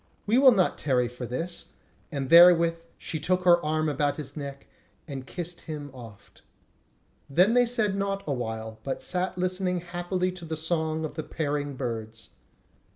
We will not tarry for this." And therewith she took her arm about his neck and kissed him oft. Then they said naught awhile, but sat listening happily to the song of the pairing birds.